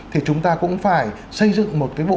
thì chúng ta cũng phải xây dựng một cái bộ